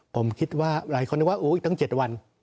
ผมคิดว่าหลายคนนึกว่าอีกตั้ง๗วัน